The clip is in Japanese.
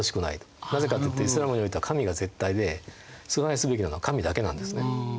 なぜかというとイスラームにおいては神が絶対で崇拝すべきなのは神だけなんですね。